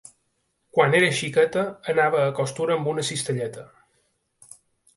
Quan era xiqueta, anava a costura amb una cistelleta.